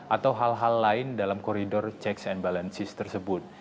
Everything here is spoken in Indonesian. atau hal hal lain dalam koridor checks and balances tersebut